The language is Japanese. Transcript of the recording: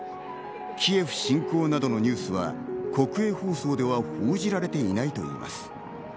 キエフ侵攻などのニュースは国営放送では報じられていないといいます。